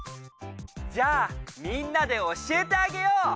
じゃあみんなで教えてあげよう。